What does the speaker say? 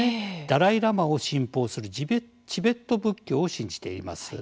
ダライ・ラマを信奉するチベット仏教を信じています。